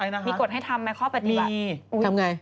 อะไรนะคะมีกฎให้ทำไหมข้อปฏิบัติมีทำไง